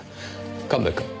神戸君。